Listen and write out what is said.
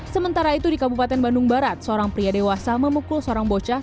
sementara itu di kabupaten bandung barat seorang pria dewasa memukul seorang bocah